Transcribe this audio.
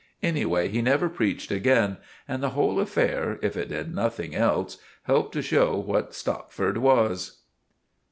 Anyway, he never preached again, and the whole affair, if it did nothing else, helped to show what Stopford was.